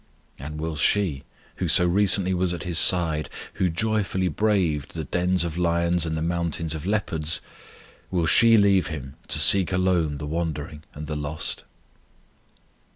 And will she, who so recently was at His side, who joyfully braved the dens of lions and the mountains of leopards, will she leave Him to seek alone the wandering and the lost?